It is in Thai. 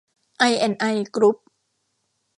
ไอแอนด์ไอ กรุ๊ป